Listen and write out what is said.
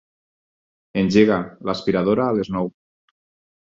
Engega l'aspiradora a les nou.